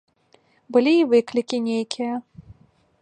Былі і выклікі нейкія.